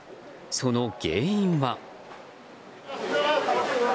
その原因は。